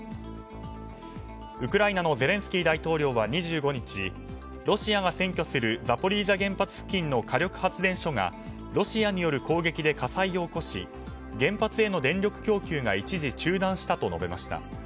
ウクライナのゼレンスキー大統領は２５日ロシアが占拠するザポリージャ原発付近の火力発電所がロシアによる攻撃で火災を起こし原発への電力供給が一時中断したと述べました。